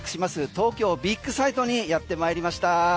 東京ビッグサイトにやってまいりました。